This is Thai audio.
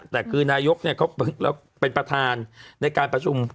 แต่คือนายกเขาเป็นประธานในการประชุม